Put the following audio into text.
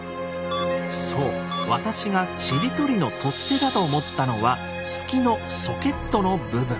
そう私がちりとりの取っ手だと思ったのは鋤のソケットの部分。